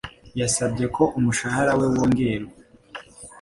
Yasabye ko umushahara we wongerwa.